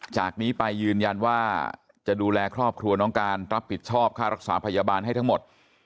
จากนี้ไปยืนยันว่าจะดูแลครอบครัวน้องการรับผิดชอบค่ารักษาพยาบาลให้ทั้งหมด